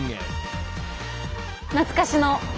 懐かしの。